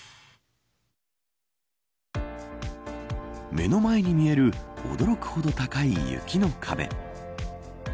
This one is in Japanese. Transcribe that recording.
目の前に見える驚くほど高い雪の壁。